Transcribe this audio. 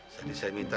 jadi saya minta